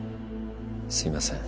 すいません。